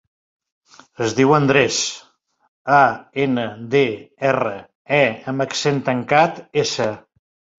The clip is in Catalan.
Es diu Andrés: a, ena, de, erra, e amb accent tancat, essa.